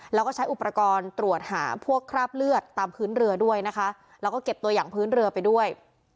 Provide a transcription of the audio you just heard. แล้วก็ใช้อุปกรณ์ตรวจหาพวกคราบเลือดตามพื้นเรือด้วยนะคะแล้วก็เก็บตัวอย่างพื้นเรือไปด้วย